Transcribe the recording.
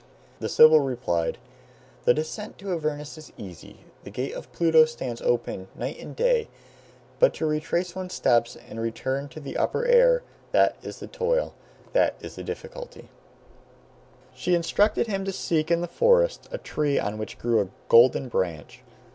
The Sibyl replied, "The descent to Avernus is easy: the gate of Pluto stands open night and day; but to retrace one's steps and return to the upper air, that is the toil, that the difficulty."[Footnote: See Proverbial Expressions.] She instructed him to seek in the forest a tree on which grew a golden branch.